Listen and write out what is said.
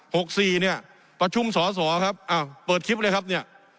หกสี่เนี่ยประชุมสอสอครับอ้าวเปิดคลิปเลยครับเนี่ย